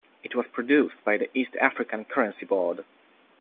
It was produced by the East African Currency Board.